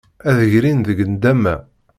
Ad d-grin deg nndama.